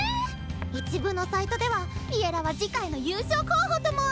一部のサイトでは「Ｌｉｅｌｌａ！」は次回の優勝候補とも。